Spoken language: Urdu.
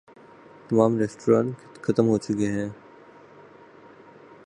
تمام ریستوران ختم ہو چکے ہیں۔